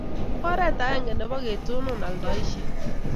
oret agenge nebo ketonon aldaishet